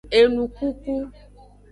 Enukuku.